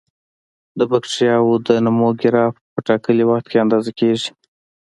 د بکټریاوو د نمو ګراف په ټاکلي وخت کې اندازه کیږي.